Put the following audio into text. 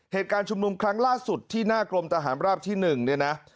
เหตุการณ์ชุมนุมครั้งล่าสุดที่หน้ากรมทหารราบที่๑เนี่ยนะ